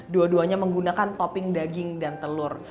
dua duanya menggunakan topping daging dan telur